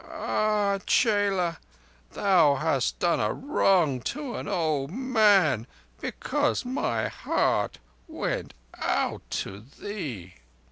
"Ah, chela, thou has done a wrong to an old man because my heart went out to thee."